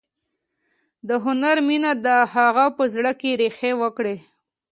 د هنر مینه د هغه په زړه کې ریښې وکړې